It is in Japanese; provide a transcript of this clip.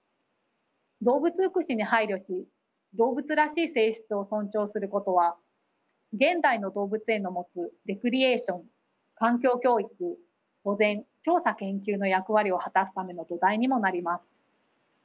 動物福祉に配慮し動物らしい性質を尊重することは現代の動物園の持つレクリエーション環境教育保全調査研究の役割を果たすための土台にもなります。